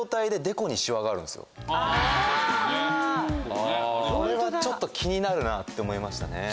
これはちょっと気になるなって思いましたね。